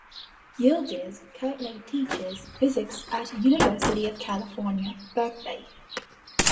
Yildiz currently teaches physics at University of California, Berkeley.